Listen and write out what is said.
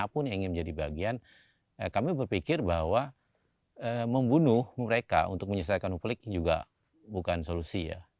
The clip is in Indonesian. siapapun yang ingin menjadi bagian kami berpikir bahwa membunuh mereka untuk menyelesaikan konflik juga bukan solusi ya